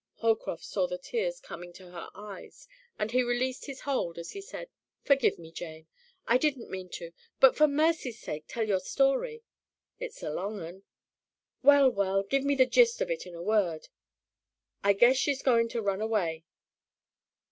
Holcroft saw the tears coming to her eyes and he released his hold as he said, "Forgive me, Jane, I didn't mean to; but for mercy's sake, tell your story." "It's a long 'un." "Well, well, give me the gist of it in a word." "I guess she's goin' to run away."